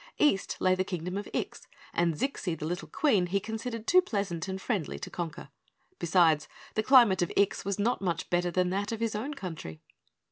East lay the Kingdom of Ix, and Zixie the little Queen he considered too pleasant and friendly to conquer. Besides, the climate of Ix was not much better than that of his own country.